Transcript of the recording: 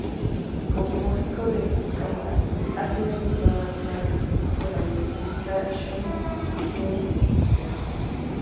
Como músico de cámara, ha sido invitado a actuar con la violinista Chung Kyung-wha.